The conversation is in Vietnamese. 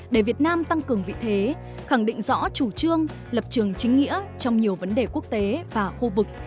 để việt nam tăng cường vị thế khẳng định rõ chủ trương lập trường chính nghĩa trong nhiều vấn đề quốc tế và khu vực